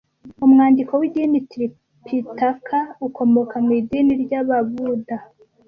Umwandiko w'idini Tripitaka ukomoka mu idini ry'Ababuda